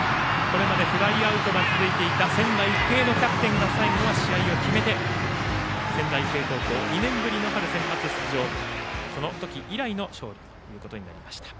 フライアウトが続いていた仙台育英のキャプテンが最後は試合を決めて仙台育英高校２年ぶりの春センバツ出場その時以来の勝利となりました。